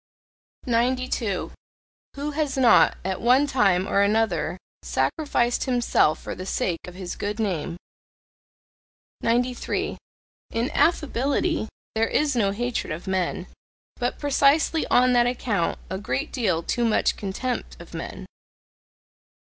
92. Who has not, at one time or another sacrificed himself for the sake of his good name? 93. In affability there is no hatred of men, but precisely on that account a great deal too much contempt of men.